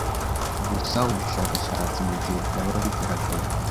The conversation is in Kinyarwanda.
gusa ubushakashatsi mu gihe byaba bigaragaye